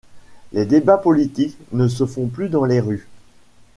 Les débats politiques ne se font plus dans les rues.